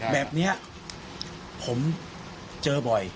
แบบนี้ผมเจอบ่อย